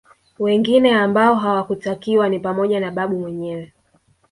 Wengine ambao hawakutakiwa ni pamoja na Babu mwenyewe